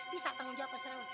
bisa tanggung jawab terserah